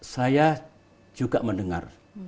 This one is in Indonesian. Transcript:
saya juga mendengar